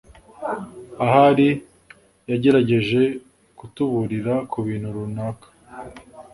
Ahari yagerageje kutuburira kubintu runaka.